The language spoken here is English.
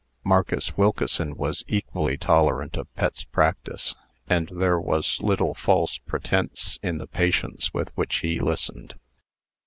Marcus Wilkeson was equally tolerant of Pet's practice, and there was little false pretence in the patience with which he listened.